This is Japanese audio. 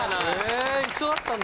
え一緒だったんだ。